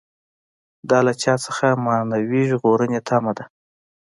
دا له چا څخه معنوي ژغورنې تمه ده.